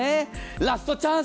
ラストチャンス